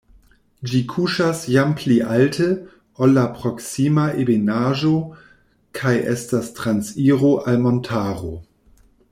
Ĝi kuŝas jam pli alte, ol la proksima ebenaĵo kaj estas transiro al montaro.